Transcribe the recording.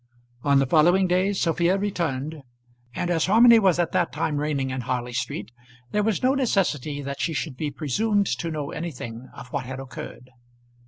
On the following day Sophia returned, and as harmony was at that time reigning in Harley Street, there was no necessity that she should be presumed to know anything of what had occurred.